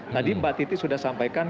tadi mbak titi sudah sampaikan